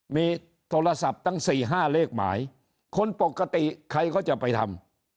มีโทรศัพท์ตั้ง๔๕เลขหมายคนปกติใครก็จะไปทำ